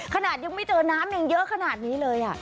ขนาดยังไม่เจอน้ำยังเยอะขนาดนี้เลย